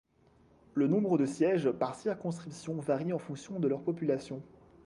Le nombre de sièges par circonscription varie en fonction de leur population.